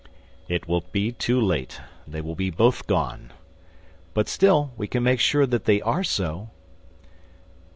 "It will be too late; they will be gone." "But still, we can make sure that they are so."